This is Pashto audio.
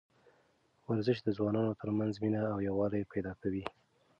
ورزش د ځوانانو ترمنځ مینه او یووالی پیدا کوي.